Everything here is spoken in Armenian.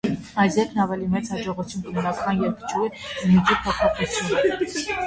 Այս երգերն ավելի մեծ հաջողություն կունենան, քան երգչուհու իմիջի փոփոխությունը։